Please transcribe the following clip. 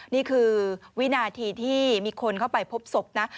นี่คือวินาทีที่มีคนเข้าไปพบศพนะ